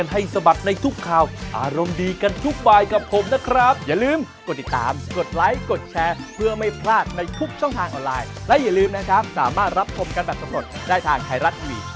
หมดเวลาต้องลาไปแล้วสวัสดีครับ